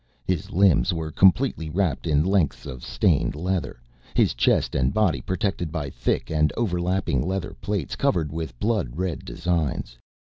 His limbs were completely wrapped in lengths of stained leather, his chest and body protected by thick and overlapping leather plates covered with blood red designs.